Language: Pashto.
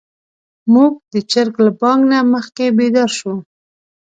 موږ د چرګ له بانګ نه مخکې بيدار شوو.